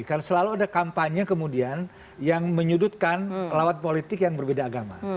karena selalu ada kampanye kemudian yang menyudutkan lawat politik yang berbeda agama